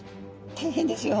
大変ですよ。